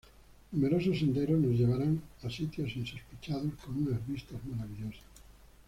Numerosos senderos nos llevarán a sitios insospechados con unas vistas maravillosas.